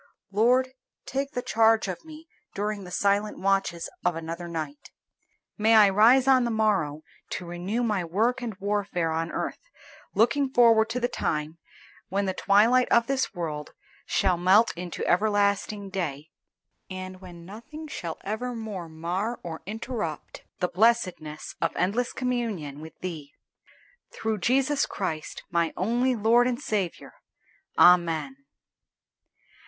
Lord, take the charge of me during the silent watches of another night. May I rise on the morrow to renew my work and warfare on earth, looking forward to the time when the twilight of this world shall melt into everlasting day, and when nothing shall evermore mar or interrupt the blessedness of endless communion with Thee: through Jesus Christ, my only Lord and Saviour. Amen.